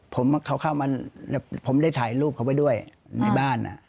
ผมเข้ามาผมได้ถ่ายรูปเขาไว้ด้วยในบ้าน